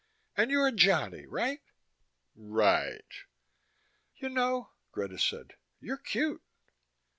And you're Johnny right?" "... Right." "You know," Greta said, "you're cute."